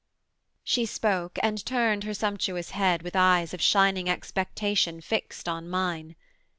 She spoke and turned her sumptuous head with eyes Of shining expectation fixt on mine.